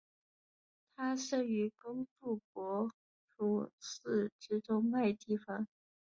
他生于工布博楚寺之中麦地方。